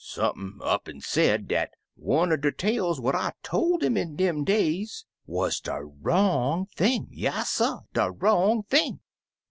Sump'n up'd an' said dat one er der tales what I tol' 'im in dem days wuz de wrong thing — yasser, de wrong thing!